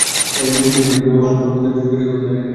দুই দেশের মধ্যে জমাটবাঁধা বরফ গলতে শুরু করেছে কদিন আগে থেকে।